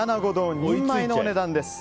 ２人前のお値段です。